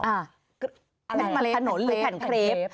นั่นแม่มะเลสถนนหรือแผ่นครีป